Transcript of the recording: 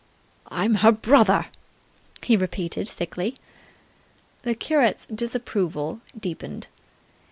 "I'm her brother!" he repeated thickly. The curate's disapproval deepened.